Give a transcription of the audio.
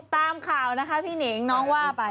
ตามข่าวนะคะพี่หนิงน้องว่าไป